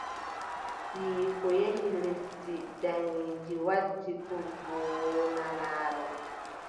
Ɓiyiiko yahi lesdi daayiindi waddi kurgoowo nanaaɗo.